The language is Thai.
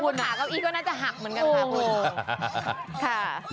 แล้วไฮไลท์ของเราเลยนะครับสำหรับงานนี้